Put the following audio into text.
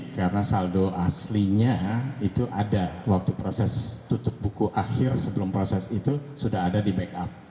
karena saldo aslinya itu ada waktu proses tutup buku akhir sebelum proses itu sudah ada di backup